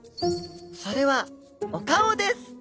それはお顔です